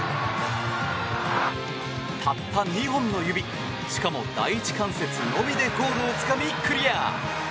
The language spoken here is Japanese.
たった２本の指しかも第一関節のみでゴールをつかみ、クリア。